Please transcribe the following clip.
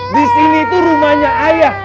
di sini itu rumahnya ayah